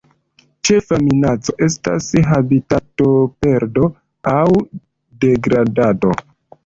Ĉefa minaco estas habitatoperdo aŭ degradado.